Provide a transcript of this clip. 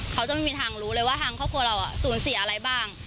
เขาจะไม่มีทางรู้เลยว่าทางครอบครัวเราสูญเสียอะไรบ้าง